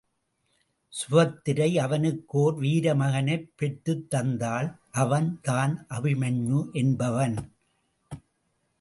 சுபத்திரை அவனுக்கு ஒர் வீர மகனைப் பெற்றுத் தந்தாள் அவன்தான் அபிமன்யு என்பவன்.